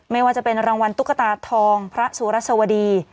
ไม่ว่าจะเป็นรางวัลตุ๊กตาทองพระสุรสวดี